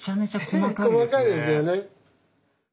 細かいですよね。